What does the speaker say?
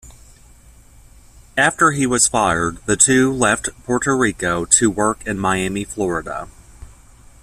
After he was fired, the two left Puerto Rico to work in Miami, Florida.